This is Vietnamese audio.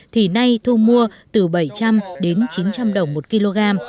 thì nay thu mua từ bảy trăm linh đến chín trăm linh đồng một kg